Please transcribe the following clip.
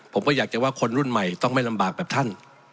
ผมก็อยากจะว่าคนรุ่นใหม่ต้องไม่ลำบากแบบท่าน